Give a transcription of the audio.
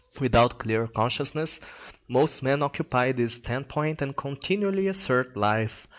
Without clear consciousness most men occupy this standpoint and continually assert life.